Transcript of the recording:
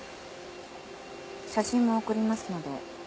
写真も送りますので。